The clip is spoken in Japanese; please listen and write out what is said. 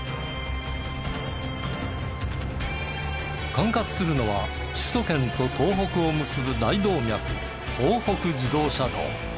管轄するのは首都圏と東北を結ぶ大動脈東北自動車道。